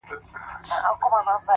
که قتل غواړي نه یې غواړمه په مخه یې ښه